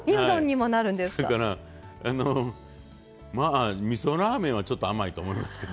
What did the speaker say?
それからあのまあみそラーメンはちょっと甘いと思いますけどね。